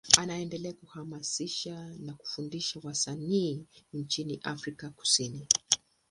Anaendelea kuhamasisha na kufundisha wasanii nchini Afrika Kusini.